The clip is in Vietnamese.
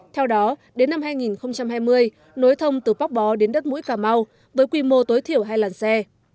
theo đó đến năm hai nghìn hai mươi nối thông từ póc bó đến đất mũi cà mau với quy mô tối thiểu hai làn xe